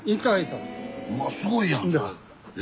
うわすごいやんそれ。